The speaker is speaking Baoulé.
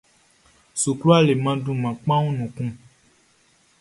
Sukula leman dunman kpanwun nun kun.